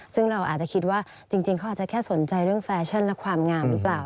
ซึ่งเราอาจจะคิดว่าจริงเขาอาจจะแค่สนใจเรื่องแฟชั่นและความงามหรือเปล่า